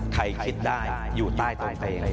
ใครคิดได้อยู่ใต้โต่งเตง